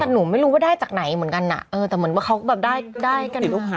แต่หนูไม่รู้ว่าได้จากไหนเหมือนกันอ่ะเออแต่เหมือนว่าเขาแบบได้กันหรือเปล่า